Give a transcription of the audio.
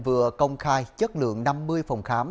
vừa công khai chất lượng năm mươi phòng khám